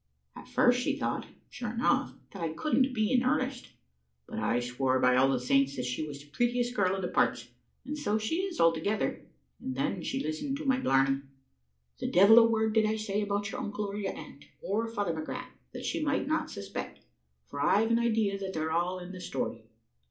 At first, she thought (sure enough) that I couldn't be in earnest, but I swore by all the saints that she was the prettiest girl in the parts and so she is altogether and then she listened to my blarney. The devil a word did I say about your uncle or your aunt, or Father McGrath, that she might not suspect, for I've an idea that they're all in the story.